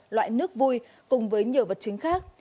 loại nước vui cùng với nhiều vật chứng khác